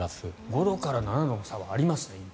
５度から７度の差は今ありますね。